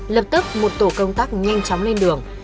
lập tức một tổ công tác nhanh chóng lên đường